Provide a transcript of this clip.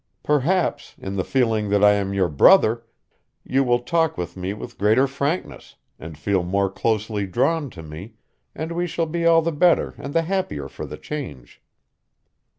Perhaps, in the feeling that I am your brother, you will talk with me with greater frankness, and feel more closely drawn to me, and we shall be all the better and the happier for the change."